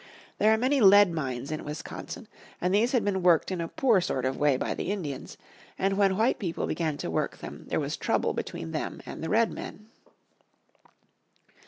There are many lead mines in Wisconsin and these had been worked in a poor sort of way by the Indians, and when white people began to work them there was trouble between them and the Redmen.